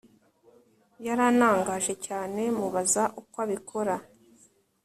Yaranangaje cyane mubaza uko abikora